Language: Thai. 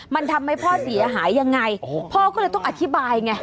มันทำให้พ่อเสียหายยังไงพ่อก็เลยต้องอธิบายไง